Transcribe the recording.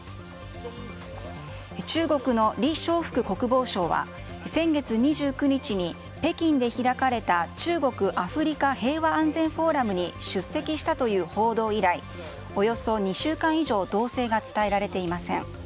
中国のリ・ショウフク国防相は先月２９日に北京で開かれた中国アフリカ平和安全フォーラムに出席したという報道以来およそ２週間以上動静が伝えられていません。